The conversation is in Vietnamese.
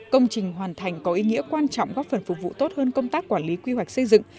công trình hoàn thành có ý nghĩa quan trọng góp phần phục vụ tốt hơn công tác quản lý quy hoạch xây dựng